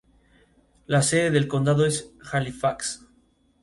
La sede del condado es Halifax.